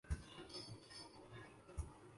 جبکہ فوکر جہاز میں یہ سفر پینتایس منٹ پر مشتمل ہے ۔